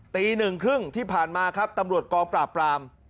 ตี๑๓๐ที่ผ่านมาครับตำรวจกองปราบปราม